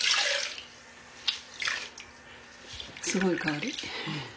すごい香り。